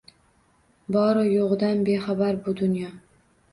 Boru yo‘g‘idan bexabar bu dunyo.